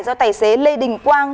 do tài xế lê đình quang